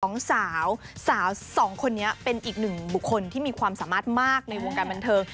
สองสาวสาวสองคนนี้เป็นอีกหนึ่งบุคคลที่มีความสามารถมากในวงการบันเทิง